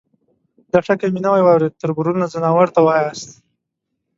_دا ټکی مې نوی واورېد، تربرونه ، ځناورو ته واياست؟